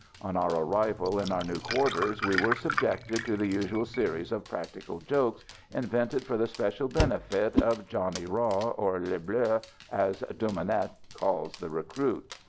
On our arrival in our new quarters we were subjected to the usual series of practical jokes invented for the special benefit of "Johnny Raw," or "Le Bleu," as "Dumanet" calls the recruit.